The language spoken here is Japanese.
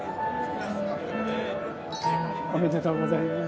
おめでとうございます。